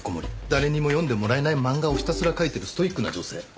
誰にも読んでもらえない漫画をひたすら描いてるストイックな女性。